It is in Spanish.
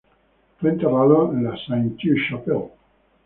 Fue enterrado en la Sainte-Chapelle.